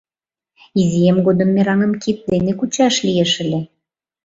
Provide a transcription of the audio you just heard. Изиэм годым мераҥым кид дене кучаш лиеш ыле.